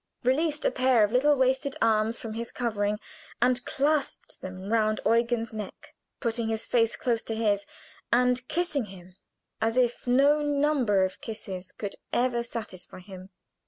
released a pair of little wasted arms from his covering, and clasped them round Eugen's neck, putting his face close to his, and kissing him as if no number of kisses could ever satisfy him.